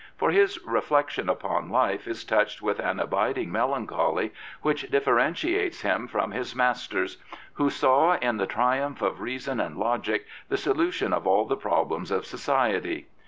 For his reflection upon life is touched with an abiding melancholy which differen tiates him from his masters, who saw in the triumph of reason and logic the solution of all the problems of society.